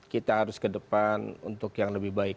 kita harus kedepan untuk yang lebih baik